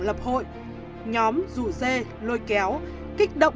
lập hội nhóm rủ dê lôi kéo kích động